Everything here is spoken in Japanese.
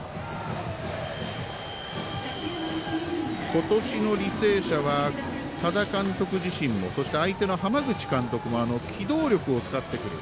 今年の履正社は、多田監督自身もそして、相手の浜口監督も機動力を使ってくる。